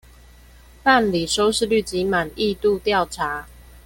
辦理收視率及滿意度調查